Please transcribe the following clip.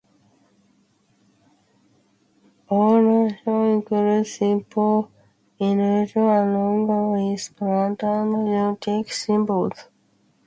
Ornamentation includes simple interlacing along with plant and geometric symbols.